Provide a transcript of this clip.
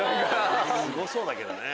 すごそうだけどね。